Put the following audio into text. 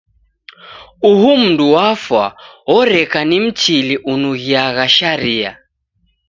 Uhu mndu wafwa oreka ni Mchili unughiagha sharia.